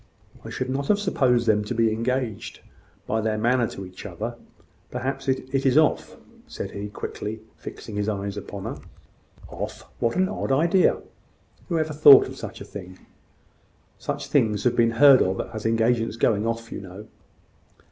"I should not have supposed them to be engaged, by their manner to each other. Perhaps it is off," said he, quickly, fixing his eyes upon her. "Off! What an odd idea! Who ever thought of such a thing?" "Such things have been heard of as engagements going off, you know."